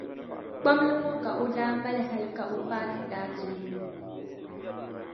kpamli ŋɔ ka o daa mali hali ka o paati daa ti lu.